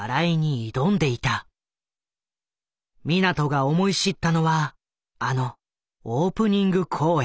湊が思い知ったのはあのオープニング公演。